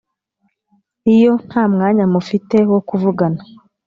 iyo nta mwanya mufite wo kuvugana,